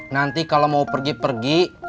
nanti kalau mau pergi pergi